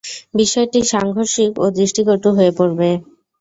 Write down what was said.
বিষয়টি সাংঘর্ষিক ও দৃষ্টিকটু হয়ে পড়বে।